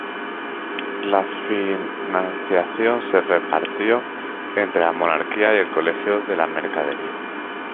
La financiación se repartió entre la monarquía y el Colegio de Mercadería.